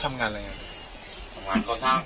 ทำงานเขาทั้ง